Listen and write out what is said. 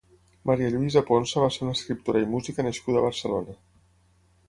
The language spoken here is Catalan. Maria Lluïsa Ponsa va ser una escriptora i música nascuda a Barcelona.